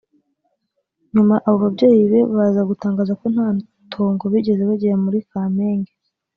nyuma abo babyeyi be baza gutangaza ko nta tongo bigeze bagira mu Kamenge